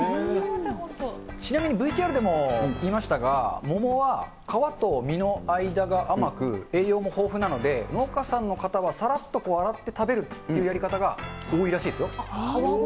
ちなみにＶＴＲでも言いましたが、桃は皮と実の間が甘く、栄養も豊富なので、農家さんの方はさらっと洗って食べるっていうやり方が多いらしいですよ。